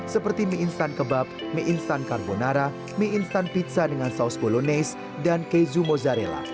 seperti mie instan kebab mie instan carbonara mie instan pizza dengan saus bolones dan keju mozzarella